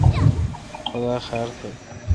خدا خار تھہ۔